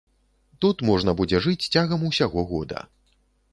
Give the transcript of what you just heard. Тут можна будзе жыць цягам усяго года.